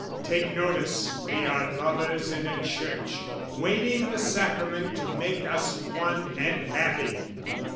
Take notice we are lovers in a church, Waiting the sacrament to make us one And happy!